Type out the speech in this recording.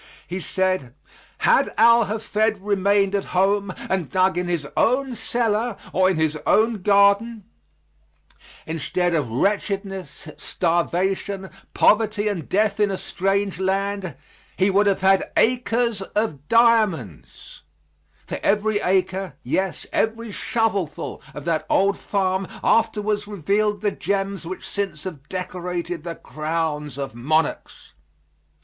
He said, had Al Hafed remained at home and dug in his own cellar or in his own garden, instead of wretchedness, starvation, poverty and death in a strange land, he would have had "acres of diamonds" for every acre, yes, every shovelful of that old farm afterwards revealed the gems which since have decorated the crowns of monarchs.